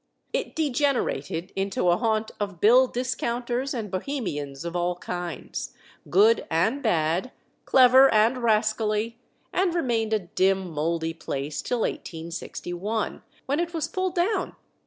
It degenerated into a haunt of bill discounters and Bohemians of all kinds, good and bad, clever and rascally, and remained a dim, mouldy place till 1861, when it was pulled down.